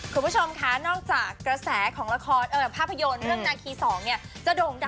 คุณผู้ชมคะนอกจากกระแสของภาพยนตร์เรื่องนาคี๒จะโด่งดังแล้ว